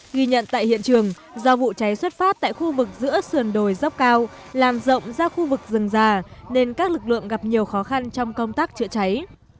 ghi nhận tại hiện trường do vụ cháy xuất phát tại khu vực giữa sườn đồi dốc cao làm rộng ra khu vực rừng già nên các lực lượng gặp nhiều khó khăn trong công tác chữa cháy